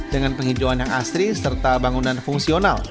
dengan penghijauan yang asri serta bangunan fungsional